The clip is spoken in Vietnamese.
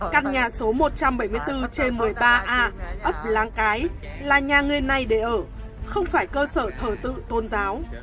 căn nhà số một trăm bảy mươi bốn trên một mươi ba a ấp láng cái là nhà người này để ở không phải cơ sở thờ tự tôn giáo